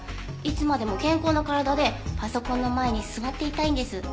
いつまでも健康な体でパソコンの前に座っていたいんです。